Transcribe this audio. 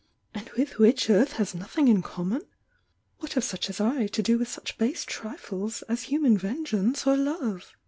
— and with which earth has nothing in common? What have such as I to do with such base trifles aa human vengeance or love?"